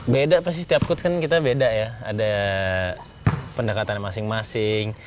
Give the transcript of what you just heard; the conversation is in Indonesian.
beda pasti setiap coach kan kita beda ya ada pendekatan masing masing